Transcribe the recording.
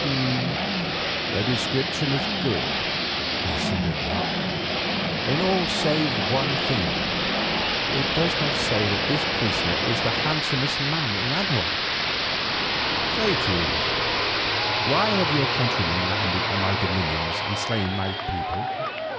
"The description is good," he said at length, "in all save one thing—it does not say that this prisoner is the handsomest man in Anahuac. Say, Teule, why have your countrymen landed on my dominions and slain my people?"